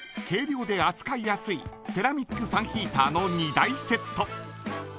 軽量で扱いやすいセラミックファンヒーターの２台セット。